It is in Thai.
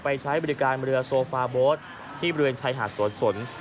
ใช้บริการเรือโซฟาโบ๊ทที่บริเวณชายหาดสวนสน